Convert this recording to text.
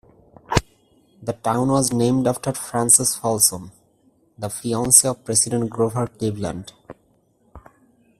The town was named after Frances Folsom, the fiancee of President Grover Cleveland.